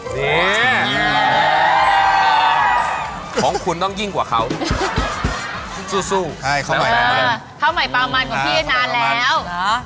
นี่ของคุณต้องยิ่งกว่าเขาซู่ซู่เออข้าวใหม่ปลามันของพี่นานแล้ว